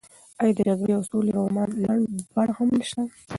ایا د جګړې او سولې رومان لنډه بڼه هم شته؟